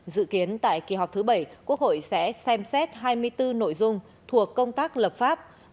dự kiến tại kỳ họp thứ bảy quốc hội sẽ xem xét hai mươi bốn nội dung thuộc công tác lập pháp